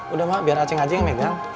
udah mak biar acing aja yang megang